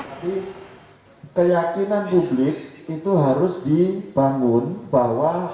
jadi keyakinan publik itu harus dibangun bahwa